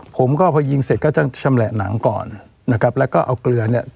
ผมก็พอยิงเสร็จก็จะชำแหละหนังก่อนนะครับแล้วก็เอาเกลือเนี่ย